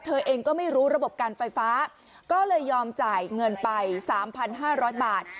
เธอเองก็ไม่รู้ระบบการไฟฟ้าก็เลยยอมจ่ายเงินไป๓๕๐๐บาท